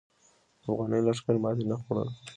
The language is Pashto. افغاني لښکر ماتې نه خوړله.